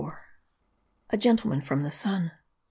A GENTLEMAN FROM THE SUN.